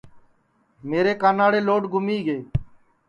میرے کاناڑے لوڈ گُمی گے